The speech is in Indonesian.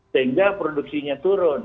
sehingga produksinya turun